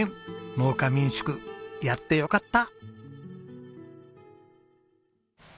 農家民宿やってよかった！